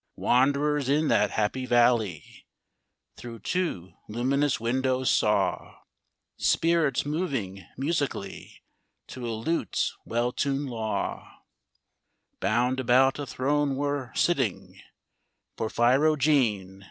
Wanderers in that happy valley, Through two luminous windows, saw Spirits moving musically, To a lute's well tunëd law, Bound about a throne where, sitting (Porphyrogene!)